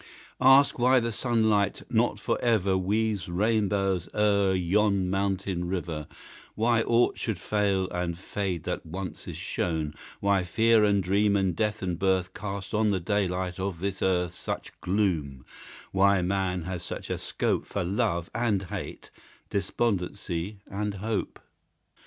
Ask why the sunlight not for ever Weaves rainbows o'er yon mountain river, Why aught should fail and fade that once is shown, Why fear and dream and death and birth Cast on the daylight of this earth Such gloom, why man has such a scope For love and hate, despondency and hope?